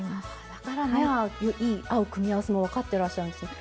だからね合う組み合わせも分かってらっしゃるんですね。